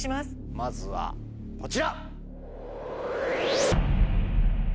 まずはこちら！